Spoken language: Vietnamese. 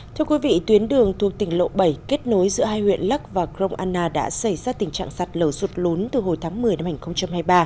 thưa quý vị tuyến đường thuộc tỉnh lộ bảy kết nối giữa hai huyện lắc và grong anna đã xảy ra tình trạng sạt lở sụt lốn từ hồi tháng một mươi năm hai nghìn hai mươi ba